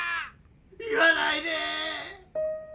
言わないで！